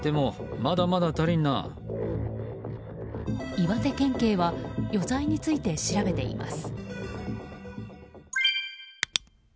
岩手県警は余罪について調べています。